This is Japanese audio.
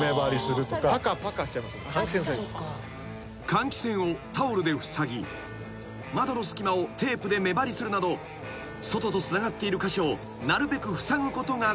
［換気扇をタオルでふさぎ窓の隙間をテープで目張りするなど外とつながっている箇所をなるべくふさぐことが大事］